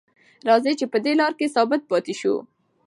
راځئ چې په دې لاره کې ثابت پاتې شو.